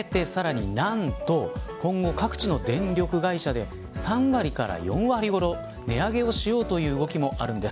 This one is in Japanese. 加えて、さらに何と今後各地の電力会社で３割から４割ほど値上げをしようという動きもあるんです。